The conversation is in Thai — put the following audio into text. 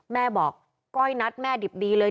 แม่บอกก้อยนัดแม่ดิบดีเลย